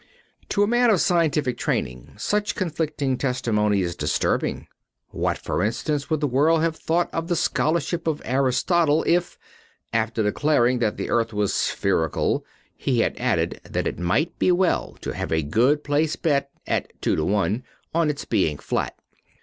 To a man of scientific training such conflicting testimony is disturbing. What for instance would the world have thought of the scholarship of Aristotle if, after declaring that the earth was spherical, he had added that it might be well to have a good place bet at two to one on its being flat.